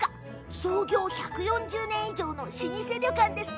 創業１４０年以上の老舗旅館です。